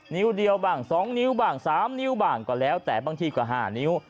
นิ้วเดียวบ้าง๒นิ้วบ้าง๓นิ้วบ้างก็แล้วแต่บางทีก็๕นิ้ว